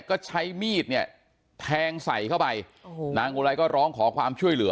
ก็ใช้มีดเนี่ยแทงใส่เข้าไปโอ้โหนางอุไรก็ร้องขอความช่วยเหลือ